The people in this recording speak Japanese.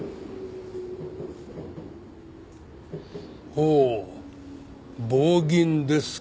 ほう棒銀ですか。